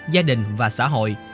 gia đình và xã hội